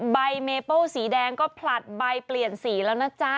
ใบเมเปิ้ลสีแดงก็ผลัดใบเปลี่ยนสีแล้วนะจ๊ะ